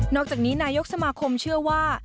อกจากนี้นายกสมาคมเชื่อว่า